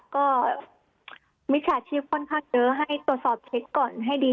ก็มีแข่งชิ้นประกันเยอะให้ตรวจสอบเช็กก่อนให้ดี